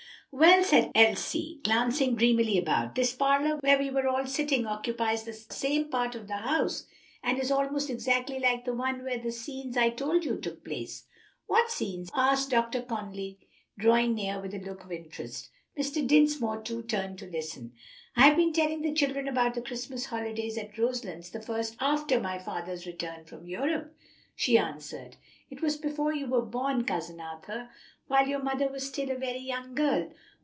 "Well," said Elsie, glancing dreamily about, "this parlor where we are all sitting occupies the same part of the house, and is almost exactly like the one where the scenes I told you of took place." "What scenes?" asked Dr. Conly, drawing near, with a look of interest. Mr. Dinsmore, too, turned to listen. "I have been telling the children about the Christmas holidays at Roselands the first winter after my father's return from Europe," she answered. "It was before you were born, Cousin Arthur, while your mother was still a very young girl."